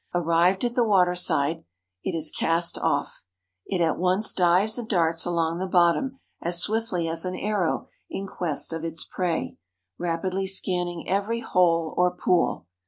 Arrived at the waterside, it is cast off. It at once dives and darts along the bottom as swiftly as an arrow in quest of its prey, rapidly scanning every hole or pool.